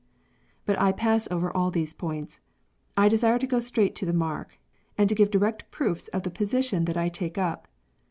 But I pass over all these points. I desire to go straight to the mark, and to give direct proofs of the position that I take up.